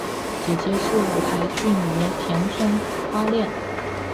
姐姐是舞台剧女优田村花恋。